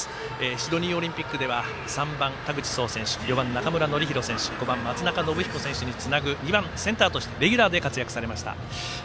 シドニーオリンピックでは３番、田口壮選手４番、中村紀洋選手５番、松中信彦選手につなぐ２番センターとしてレギュラーで活躍されました。